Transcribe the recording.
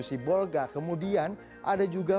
sibolga kemudian ada juga